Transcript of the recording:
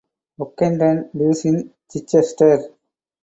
Ockenden lives in Chichester.